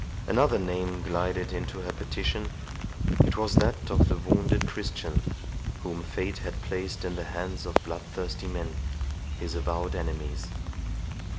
Another name glided into her petition—it was that of the wounded Christian, whom fate had placed in the hands of bloodthirsty men, his avowed enemies.